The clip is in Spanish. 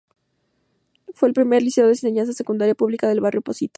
Fue el primer liceo de Enseñanza Secundaria Pública del barrio Pocitos.